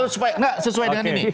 saya yakin sesuai dengan ini